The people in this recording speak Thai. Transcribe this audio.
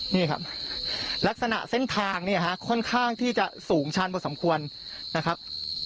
นี่ครับลักษณะเส้นทางเนี่ยฮะค่อนข้างที่จะสูงชันพอสมควรนะครับ